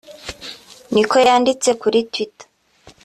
” ni ko yanditse kuri twitt